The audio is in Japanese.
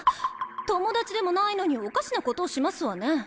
友達でもないのにおかしなことをしますわね。